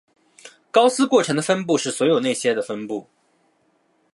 高斯过程的分布是所有那些的分布。